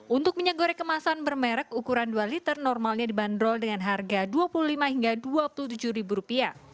untuk minyak goreng kemasan bermerek ukuran dua liter normalnya dibanderol dengan harga rp dua puluh lima hingga rp dua puluh tujuh